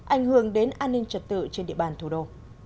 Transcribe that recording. ảnh hưởng đến an ninh trật tự trên địa bàn thủ đô